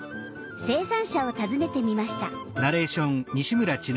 生産者を訪ねてみました。